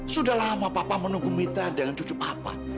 sudah lama papa menunggu mitra dengan cucu papa